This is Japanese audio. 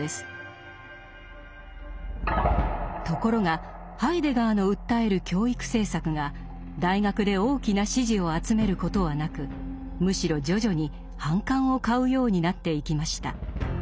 ところがハイデガーの訴える教育政策が大学で大きな支持を集めることはなくむしろ徐々に反感を買うようになっていきました。